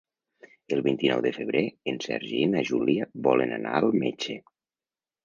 El vint-i-nou de febrer en Sergi i na Júlia volen anar al metge.